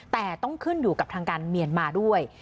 แต่ต้องขึ้นอยู่กับทางการเมียนมาด้วย